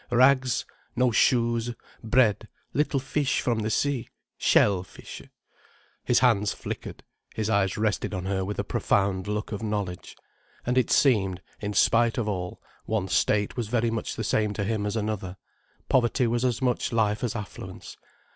Rags—no shoes—bread, little fish from the sea—shell fish—" His hands flickered, his eyes rested on her with a profound look of knowledge. And it seemed, in spite of all, one state was very much the same to him as another, poverty was as much life as affluence.